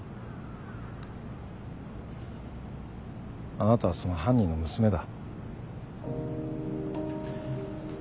あなたはその犯人の娘だ。